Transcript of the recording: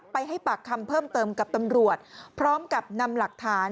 ให้ปากคำเพิ่มเติมกับตำรวจพร้อมกับนำหลักฐาน